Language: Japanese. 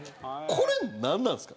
これなんなんですか？